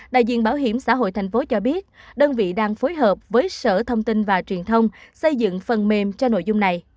đại diện bảo hiểm xã hội tp hcm cho biết đơn vị đang phối hợp với sở thông tin và truyền thông xây dựng phần mềm cho nội dung này